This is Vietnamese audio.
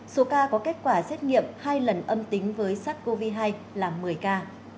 số ca có kết quả xét nghiệm hai lần âm tính với sars cov hai là một mươi ca